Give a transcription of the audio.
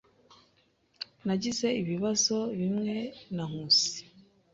Nagize ibibazo bimwe na Nkusi.